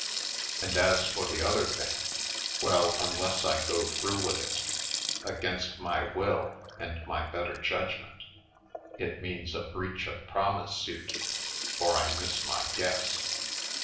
And, as for the other thing —well, unless I go through with it, against my will and my better judgm.ent, it means a breach of promise suit, or I miss my guess.